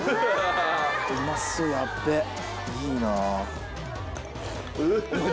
いいな。